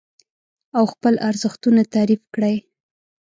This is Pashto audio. او خپل ارزښتونه تعريف کړئ.